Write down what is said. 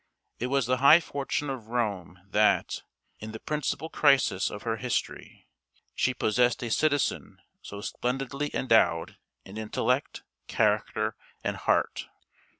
It was the high fortune of Rome that, in the principal crisis of her history, she possessed a citizen so splendidly endowed in intellect, character, and heart.